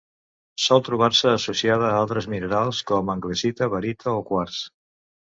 Sol trobar-se associada a altres minerals com anglesita, barita o quars.